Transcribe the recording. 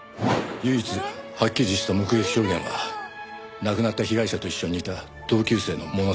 唯一はっきりした目撃証言は亡くなった被害者と一緒にいた同級生のものだけだ。